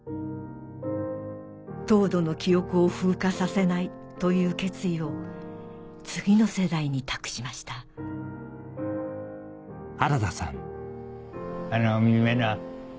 凍土の記憶を風化させないという決意を次の世代に託しましたハハハ。